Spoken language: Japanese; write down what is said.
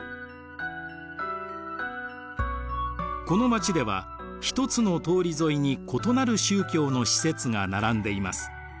この町では一つの通り沿いに異なる宗教の施設が並んでいます。